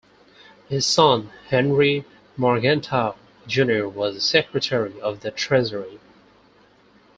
His son Henry Morgenthau Junior was a Secretary of the Treasury.